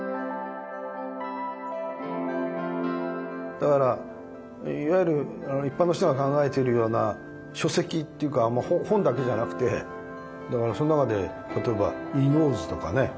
だからいわゆる一般の人が考えてるような書籍っていうか本だけじゃなくてだからその中で例えば「伊能図」とかね。